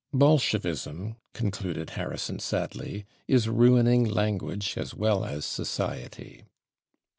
"Bolshevism," concluded Harrison sadly, "is ruining language as well as society."